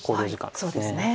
そうですね。